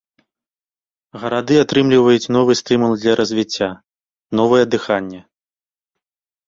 Гарады атрымліваюць новы стымул для развіцця, новае дыханне.